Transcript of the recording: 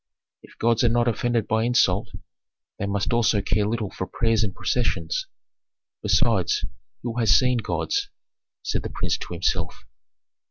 "If gods are not offended by insult, they must also care little for prayers and processions. Besides, who has seen gods?" said the prince to himself.